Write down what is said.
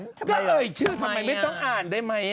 ก็เลยเชื่อทำไมไม่ต้องอ่านได้ไหม